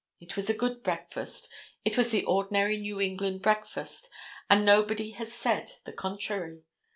It was a good breakfast, it was the ordinary New England breakfast, and nobody has said the contrary.